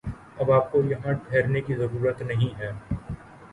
اب آپ کو یہاں ٹھہرنے کی ضرورت نہیں ہے